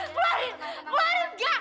keluarin keluarin dia